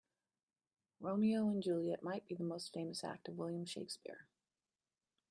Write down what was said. Romeo and Juliet might be the most famous act of William Shakespeare.